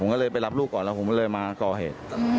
ก็เลยไปรับลูกก่อนแล้วผมก็เลยมาก่อเหตุ